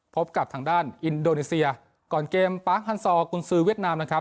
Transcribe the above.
พบกับทางด้านอินโดนีเซียก่อนเกมปาร์คฮันซอร์กุญซือเวียดนามนะครับ